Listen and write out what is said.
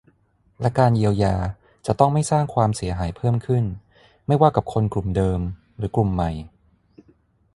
และการเยียวยาจะต้องไม่สร้างความเสียหายเพิ่มขึ้น ไม่ว่ากับคนกลุ่มเดิมหรือกลุ่มใหม่